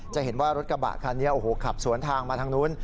จะเห็นว่ารถกระบะคันนี้โอ้โหขับสวนทางมาทางนู้น